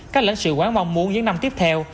các lãnh sự quán mong muốn những năm tiếp theo